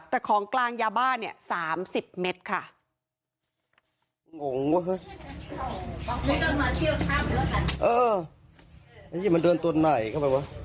แต่ของกลางยาบ้าเนี่ย๓๐เมตรค่ะ